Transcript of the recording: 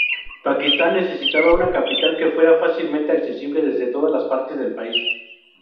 Pakistán necesitaba una capital que fuera fácilmente accesible desde todas las partes del país.